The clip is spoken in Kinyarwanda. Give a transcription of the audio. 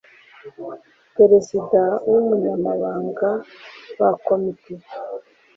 perezida n umunyamabanga ba komite bakora